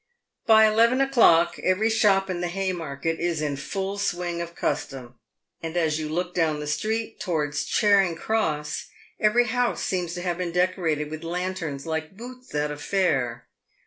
By eleven o'clock every shop in the Haymarket is in full swing of custom, and as you look down the street towards Charing cross, every house seems to have been decorated with lanterns like booths at a fair.